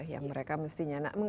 yang mereka mestinya